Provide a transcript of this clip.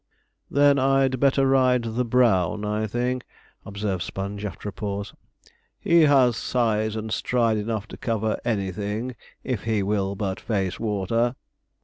'Then I'd better ride the brown, I think,' observed Sponge, after a pause: 'he has size and stride enough to cover anything, if he will but face water.'